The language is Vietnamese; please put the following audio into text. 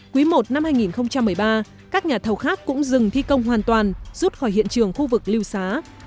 quý i năm hai nghìn một mươi ba các nhà thầu khác cũng dừng thi công hoàn toàn rút khỏi hiện trường khu vực liêu xá